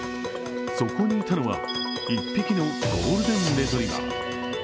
そこにいたのは一匹のゴールデンレトリーバー。